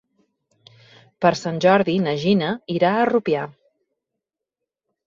Per Sant Jordi na Gina irà a Rupià.